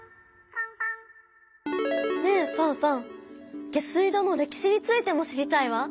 ねえファンファン下水道の歴史についても知りたいわ。